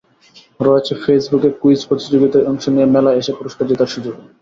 রয়েছে ফেসবুকে কুইজ প্রতিযোগিতায় অংশ নিয়ে মেলায় এসে পুরস্কার জেতার সুযোগও।